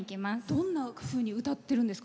どんなふうに歌ってるんですか？